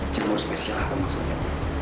jamur spesial apa maksudnya